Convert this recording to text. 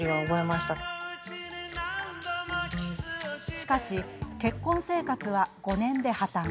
しかし、結婚生活は５年で破綻。